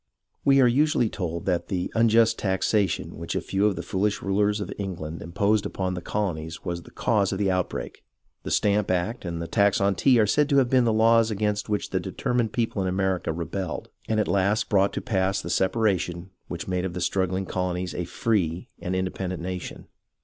We are usually told that the unjust taxation which a few of the foolish rulers of England imposed upon the colo nies was the cause of the outbreak. The Stamp Act and the tax on tea are said to have been the laws against which the determined people in America rebelled and at last brought to pass the separation which made of the strugghng colonies a free and independent nation.